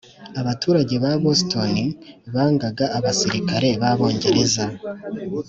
abaturage ba boston bangaga abasirikare b'abongereza.